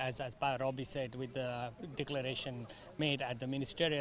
dan saya harap seperti pak robby bilang dengan deklarasi yang dilakukan di level ministerial